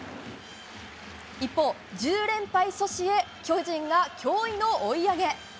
一方、１０連敗阻止へ巨人が驚異の追い上げ。